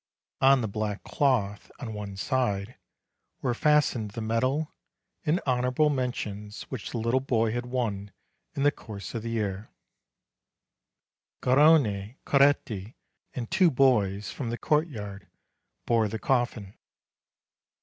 On the black cloth, on one side, were fastened the medal and honorable mentions which the little boy had won in the course of the year. Garrone, Coretti, and two boys from the courtyard bore the coffin.